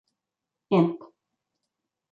Imp.